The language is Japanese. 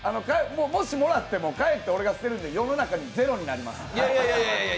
もしもらっても帰って俺が捨てるんで世の中にゼロになります。